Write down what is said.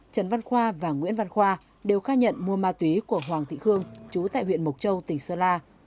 trần văn khoa và nguyễn văn khoa đều khai nhận mua ma túy của hoàng thị khương chú tại huyện mộc châu tỉnh sơn la